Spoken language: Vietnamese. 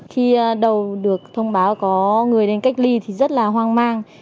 khi đầu được thông báo có người đến cách ly thì rất là hoang mang